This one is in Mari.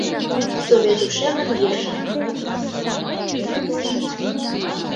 Совет Ушемын йырже